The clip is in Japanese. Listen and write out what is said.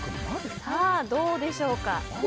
どうでしょうか？